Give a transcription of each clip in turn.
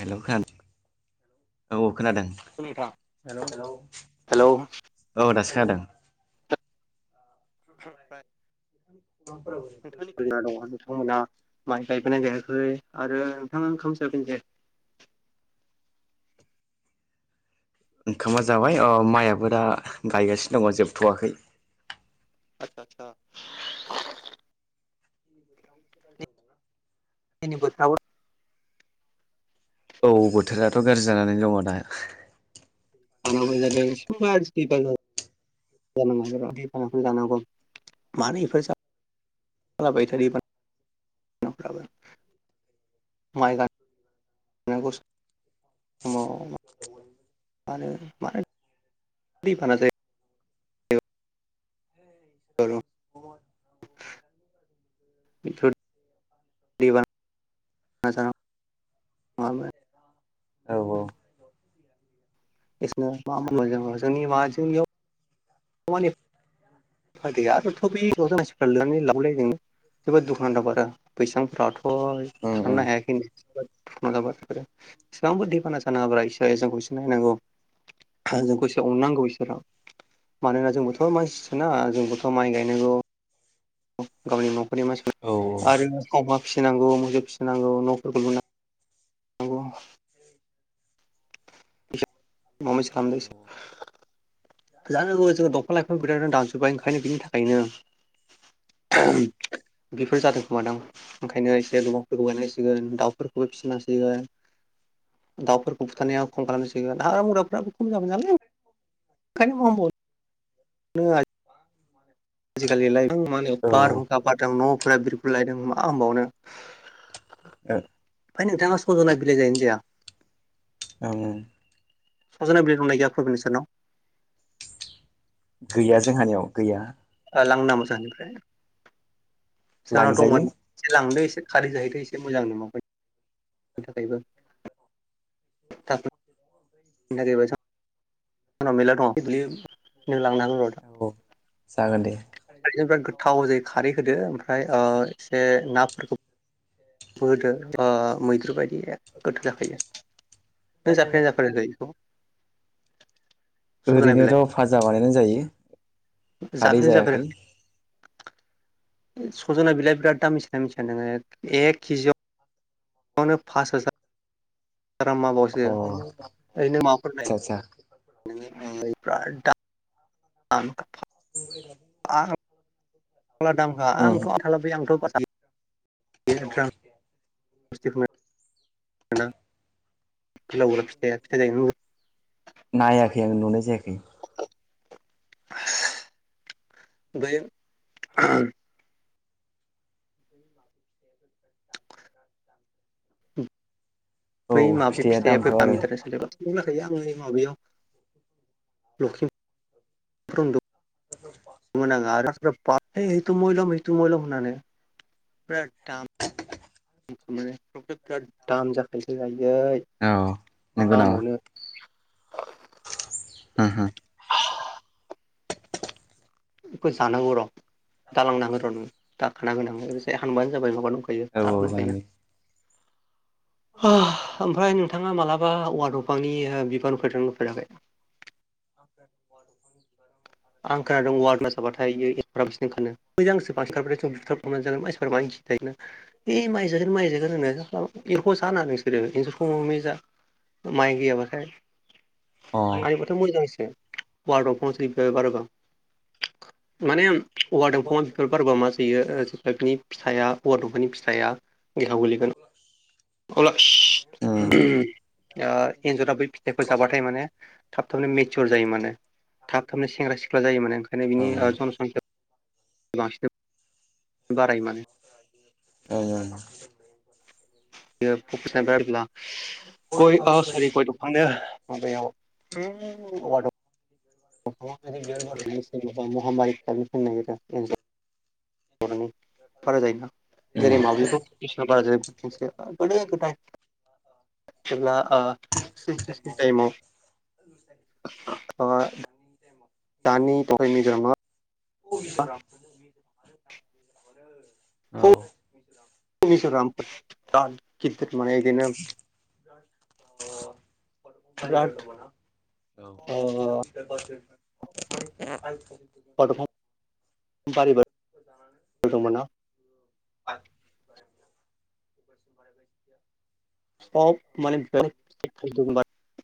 हेल' खोनादों औ खोनादों हेल' नोंथां हेलौ हेलौ औ दासो खादों ओमफ्राय [unintelligible] नोंथांनि गोजान दाव नोंथांमोना माइ गायबोनाय जायाखै आरो नोंथाङा ओंखाम जागोन दे। ओंखामा जाबाय अ माइयाबोदा गायगासिनो दङ जोबथ'वाखै। [unintelligible] [inaudible] [unintelligible] औ बोथोराथ' गाज्रि जानानै दङ दा। [unintelligible] [unintelligible] [unintelligible] [unintelligible] [inaudible] मानो -मानो दैबाना जायो। औ [inaudible] [unintelligible] औ औ। [unintelligible] [unintelligible] [unintelligible] थानोनो उम उम हायाखैनो मालाबा बेफोरो एसेबांबो दैबाना जानाङाब्रा इसोरा जोंखौ एसे नायनांगौ। जोंखौ एसे अननांगौ इसोरा। मानोना जोंबोथ' मानसि सोना जोंबोथ' माइ गायनांगौ। गावनि न'खरनि औ मानसिफोर आरो अमा फिसिनांगौ मोसौ फिसिनांगौ न'फोरखौ लु नांगौ उम [unintelligible] जानांगौ गासैबो दंफां-लाइफां दानफायबाय ओंखायनो बेनि थाखायनो। बेफोर जादों खोमादां ओंखायनो एसे दफांफोरखौ गायनांसिगोन दाउफोरखौबो फिसिनांसिगोन। दाउफोरखौ बुथारनाया खम खालामनांसिगोन हाग्रा मुग्राफ्राबो खम जाबाय नालाय ओंखायनो मबाव [inaudible] नों आइ [unintelligible] आजिखालि लाइफां माहोनो औ बारहुंखा बारदों न'फोरा बिरगुलायदों मा होनबावनो [inaudible] ओमफाय नोंथाङा सजना बिलाइ जायोना जाया? ओं ओं। सजना बिलाइ दंना गैया फ्रबिन नोंसोरनाव? गैया जोंहानियाव गैया। लां ना मो जानिफ्राय। जाहानाव लांजायो दंमोन एसे लांदो एसे खारै जाहैदो एसे मोजां नाब बिनि थाखायबो। थ [inaudible] म [inaudible] बिबायोंनाव मेरला हागोन र' दा [inaudible] औ जागोन दे। खारैजों बेराद गोथाव जायो खारै होदो ओमफ्राय ओ एसे नाफोरखौ बो होदो ओ मैद्रु बायदि एक गोथाव जाखायो नों जाफेरना जाफेराखै? सजना बिलाइ ओरैनोथ' फाजा बानायनानै जायो खारै जाफेरनो जायाखै। जाफेराखै सजना बिलाइया बिराद दामिसो मिथिना मिथिया नोङो एक केजियाव मनो फास हाजार ग्राम माबावसो ओरैनो माफोर नाय दसा नोंनिफ्रा [inaudible] आं ब आं मला दामखा उम आंथ' आथलाै आंथ' बास [inaudible] बेफोरनो मोना [inaudible] फावा फिथायाया फि ज [inaudible] नायाखै आं नुनाय जायाखै [inaudible] बे [inaudible] औ बै माबि फिथाइया फिथायाबो दामथ' गामि आरो [unintelligible] लखिम [unintelligible] [unintelligible] [unintelligible] मलथ मल होननानै बिराद दाम मोनो [unintelligible] [unintelligible] बिराद दाम जाखानसै आयै औ नंगौ मा होमबावनो ह ह बेखौ जानांगौ र' दालांनांगौ र' नोङो दा खाना गोनां ओरैहाय हानबानो जाबाय माबा दंखायो औ दाग जागोन दंखायो। दे ओमफ्राय नोंथाङा मालाबा औवार दफांनि बिबान फैद होफेराखै? आ ग [unintelligible] आं खोनादों वार [unintelligible] [unintelligible] माइजागोन माइजागोन होनो खालाम एरख' [unintelligible] माइ गैयाबाथाय अ थ मोजांसो [unintelligible] बारबा माने औवा बेफोर बारबा मा जोयो जेफोरनि फिथाइआ हौवा दंफांनि फिथाइआ गेहायाव गोलैगोन ब्ला [unintelligible] अब्ला [unintelligible] ओ एन्जरा बै फिथाइखौ जाबाथाय माने थाब थाबनो मेचर जायो माने। थाब थाबनो सेंग्रा सिख्ला जायो माने ओंखायनो बिनि औ जन'संखि बांसिन बाराय माने औ [unintelligible] थांदो याव [unintelligible] ाबा महामारिनो फनोा बरनि [unintelligible] [unintelligible] गोदो गोदाय जेब्ला ओ [unintelligible] टायमयाव ओ दनि थाखाय [unintelligible] [unintelligible] औ उनिस र गद मानाय ग न [unintelligible] बिराद [unintelligible] ओ [unintelligible] बारि [unintelligible] [inaudible] सब मान बेब [unintelligible]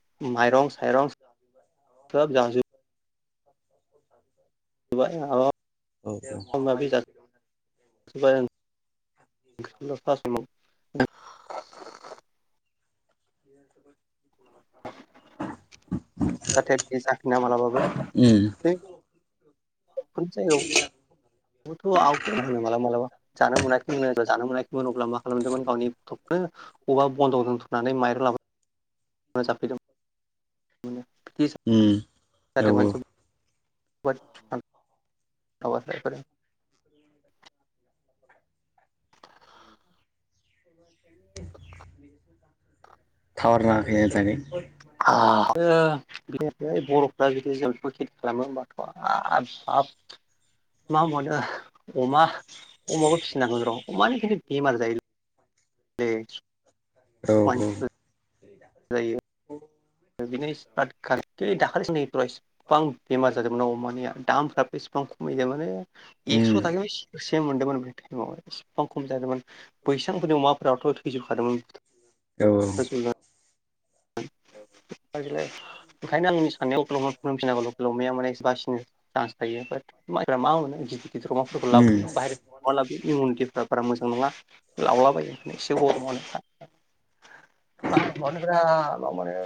सोब जाजोबबाय ज [unintelligible] [unintelligible] [unintelligible] [unintelligible] जाहाथे बे जाफिना मालाबाबो बे [unintelligible] [unintelligible] आवग होनो मालाबा मालाबा जानो मोनाखैमोन जानो मोनाखैमोन अब्ला मा खालामदोंमोन गावनि थ' ओ अबा बन्द' दोनथुनानै माइर लाबो उम औ [unintelligible] [unintelligible] जा [inaudible] [inaudible] जबा ज [inaudible] थावार नाङाखै मोजाङै। [unintelligible] [unintelligible] बर'फ्रा बिदि जों बेखौ खेथि खालामो हबाथ' हाब आब मा होनबावनो अमा अमाबो फिसिनांगौ र' अमानो खिन्थु बेमार जायो [unintelligible] औ औ स्वाइनफोर जायो। बिदिनो [unintelligible] गोबां बेमार जादोंमोना अमानिया दामफ्राबो इसेबां खमायदों माने एकस' उम थाखायावनो सेरसे मोनदोंमोन बे टाइमाव एसे खम खम जादोंमोन। बैसांफोरनि अमाफोराथ' थैजोबखादोंमोन। औ औ [unintelligible] ओंखायनो आंनि सानायाव लकेल हमनो फिनांगौ लकेल अमाया माने बासिनो चान्स थायो बाथ मायफोरा मा मोनो गिदिर गिदिर अमाफोरखौ उम लाबोयो बाहेरनि अमा लाबोयो इमिउनिटिफोरा बारा मोजां नङा। लावलाबायायो एसे गरमावनो मा होनो बिराद माबा मोनो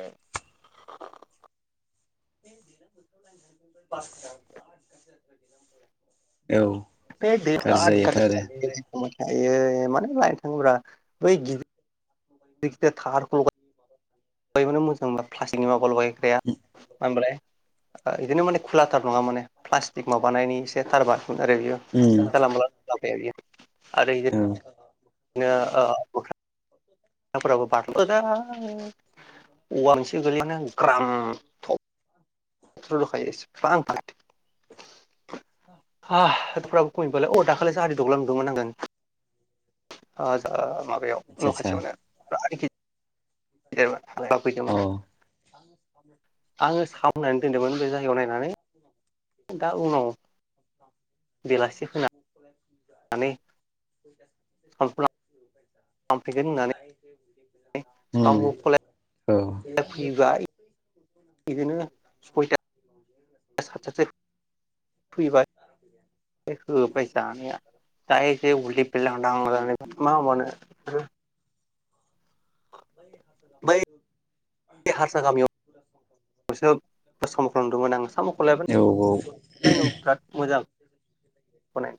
[inaudible] औ [unintelligible] गाज्रि जायोथ' आरो आयै मानो लायेन थाङोब्रा बै गिदिर गिदिर गिदिर थाहारखौ लगाय बानो मोजां प्लास्टिकनि माबाखौ लगाय। [unintelligible] ओ इदिनो माने खुलाथार नङा माने प्लास्टिक माबानायनि एसे खारबारफोर आरो बेयो। उम जानला मोनला [unintelligible] आरो औ बिदिनो ओ [unintelligible] औवा मोनसे गोलैना ग्रां [unintelligible] [unintelligible] ओ जा माबायाव आतसा न' खाथियावनो। अ [unintelligible] [inaudible] आंङो सामनानै दोनदोंमोन बे जायगायाव नायनानै। औ दा उनाव बेलासि फोना [unintelligible] नानै [unintelligible] [unintelligible] [inaudible] लांफैगोन होननानै आइ हुये मदि सामु‌ खले औ बिदिनो सयथा [inaudible] फैबाय [inaudible] दोखो होबाय जानाया दायरेक उदै बेलदां दां नो मा मावबावनो बै हारसा गामिफ्रावबो बे हारसा गामियावसो साम'खौ नुदोंमोन आं साम'खौलायनो औ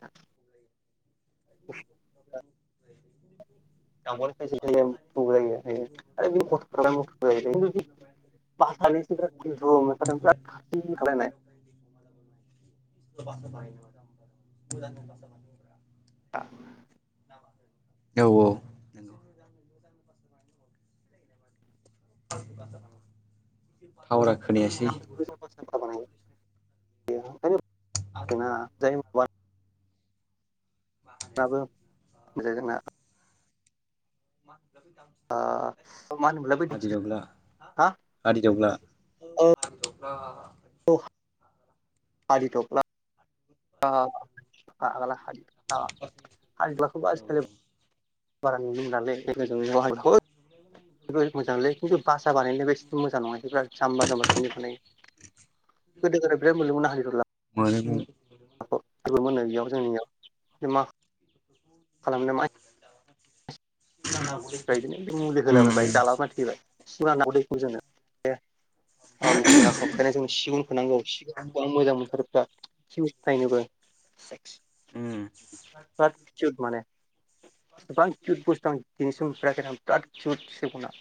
[unintelligible] [inaudible] [unintelligible] [unintelligible] [unintelligible] दा ना मा जायो। औ औ थावारा ना खोनायासै [unintelligible] [inaudible] जायो मा नाबो मोजाङै दंना? [inaudible] आ मा होनोमोनलाय बैदि हा? हादि दगला औ हादि दगला। अ हादि दग्ला औ [unintelligible] बारा नुनो मोनालै। [inaudible] बेफोर मोजांलै किन्थु बासा बानायनाय बेसे मोन नङा बिर जामबा जामबा इदिखोनायो। गोदो गोदाय बिराद मोननो मोनना हादि दगला? मोनोमोन बो मोनो बेयाव जोंनियाव मा खालामनो मा? [inaudible] ओमफ्राय बिदिनो मुलि उम होलाबोबाय जालाबनानै थैबाय सुरानाव दैखौ जोङो। दे मिथिंगा खमाननाय जों सिगुनखौ नांगौ सिगुनखौ आं मोजां मोनथारैफ्रा नायनोबो। उम किइउत माने गोबां किइउत आं दिनैसिम नुफेराखै सिगुना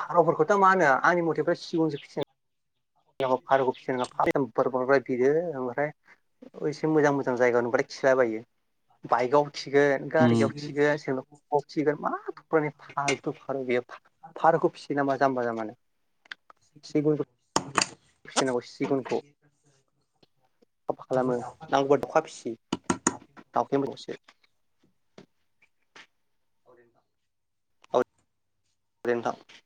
फारौफोरखौथ मा होनो आंनि मथेबा सिगुन फारौखौ फिसिनो नङा बेरफोरनिफ्राय बिदो ओमफ्राय एसे मोजां मोजां जायगायाव नुबाथाय खिलाबायो। बाइकआव खिगोन उम गारियाव खागोन जों अक्सिगोन [unintelligible] जमबा जामबानो [inaudible] फिसिनांगौ सिगुनखौ [inaudible] नांगौबो फिसि दाउखमबसो [inaudible] औ [unintelligible]